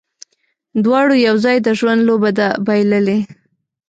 دواړو یو ځای، د ژوند لوبه ده بایللې